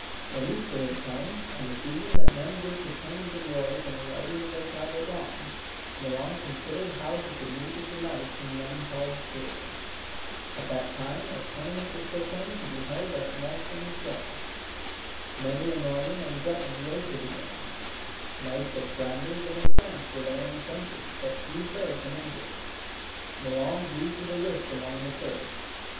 When Easter had come, and the season that men give to tourneys and wars and the righting of their private wrongs, Milon considered how he could meet with the knight whom men called Peerless. At that time a tournament was proclaimed to be held at Mont St. Michel. Many a Norman and Breton rode to the game; knights of Flanders and of France were there in plenty, but few fared from England. Milon drew to the lists amongst the first.